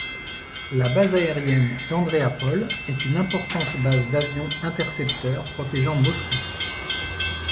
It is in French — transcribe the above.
La base aérienne d'Andreapol est une importante base d'avions intercepteurs protégeant Moscou.